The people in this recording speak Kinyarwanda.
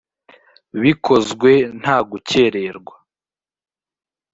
bikozwe nta gukererwa